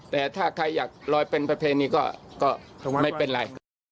แต่ถ้าใครอยากลอยเป็นประเพณีก็ไม่เป็นไร